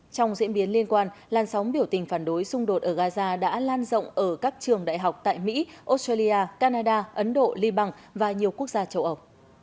trong diễn biến liên quan làn sóng biểu tình phản đối xung đột ở gaza đã lan rộng ở các trường đại học tại mỹ australia canada ấn độ liban và nhiều quốc gia châu âu